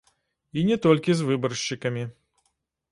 І не толькі з выбаршчыкамі.